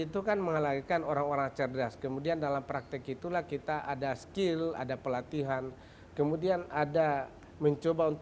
itu kan mengalahkan orang orang cerdas kemudian dalam praktek itulah kita ada skill ada pelatihan